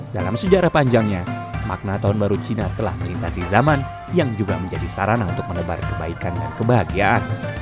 dalam sejarah panjangnya makna tahun baru cina telah melintasi zaman yang juga menjadi sarana untuk menebar kebaikan dan kebahagiaan